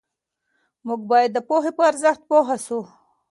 موږ باید د پوهې په ارزښت پوه سو.